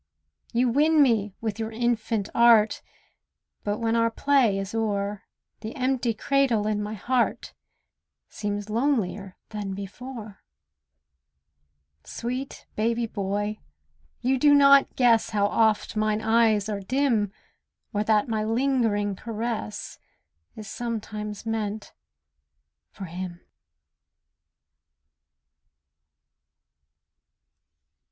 You win me with your infant art; But when our play is o'er, The empty cradle in my heart Seems lonelier than before. Sweet baby boy, you do not guess How oft mine eyes are dim, Or that my lingering caress Is sometimes meant for him.